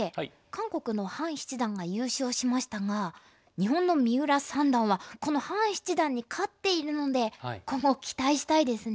韓国のハン七段が優勝しましたが日本の三浦三段はこのハン七段に勝っているので今後期待したいですね。